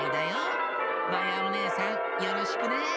まやおねえさんよろしくね。